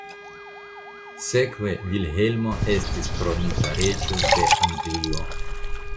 Sekve Vilhelmo estis kronita reĝo de Anglio.